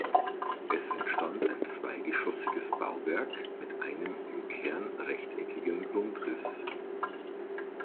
Es entstand ein zweigeschossiges Bauwerk mit einem im Kern rechteckigen Grundriss.